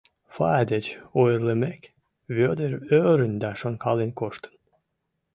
Фая деч ойырлымек, Вӧдыр ӧрын да шонкален коштын.